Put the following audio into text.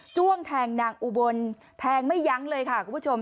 ้วงแทงนางอุบลแทงไม่ยั้งเลยค่ะคุณผู้ชม